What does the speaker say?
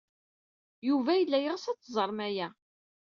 Yuba yella yeɣs ad teẓrem aya.